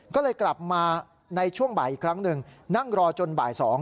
ก็เลยกลับมาในช่วงบ่ายอีกครั้งหนึ่งนั่งรอจนบ่าย๒